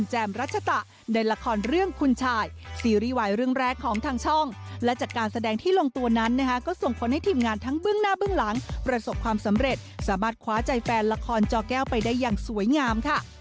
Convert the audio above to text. หน้าเบื้องหลังประสบความสำเร็จสามารถคว้าใจแฟนละครจอแก้วไปได้อย่างสวยงามค่ะ